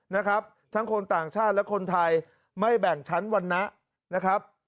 นะครับทั้งคนต่างชาติและคนไทยไม่แบ่งชั้นวรรณะนะครับ